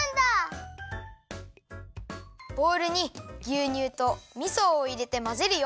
ボウルにぎゅうにゅうとみそをいれてまぜるよ！